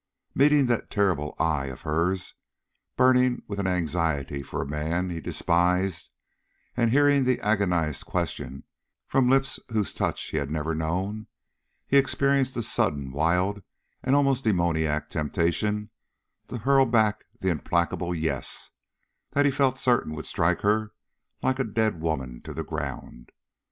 Meeting that terrible eye of hers, burning with an anxiety for a man he despised, and hearing that agonized question from lips whose touch he had never known, he experienced a sudden wild and almost demoniac temptation to hurl back the implacable "Yes" that he felt certain would strike her like a dead woman to the ground.